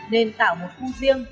nên tạo một khu riêng